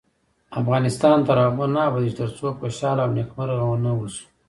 افغانستان تر هغو نه ابادیږي، ترڅو خوشحاله او نیکمرغه ونه اوسو.